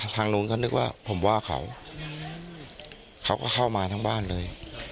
ทางนู้นก็นึกว่าผมว่าเขาเขาก็เข้ามาทั้งบ้านเลย